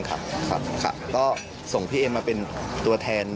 ก็ส่งพี่เอมาเป็นตัวแทน